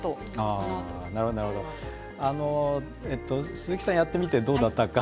鈴木さん、やってみてどうだったんですか。